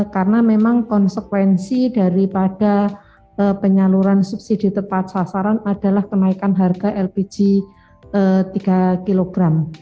karena memang konsekuensi daripada penyaluran subsidi tepat sasaran adalah kenaikan harga lpg tiga kg